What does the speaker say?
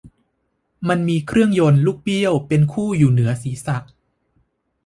มันมีเครื่องยนต์ลูกเบี้ยวเป็นคู่อยู่เหนือศรีษะ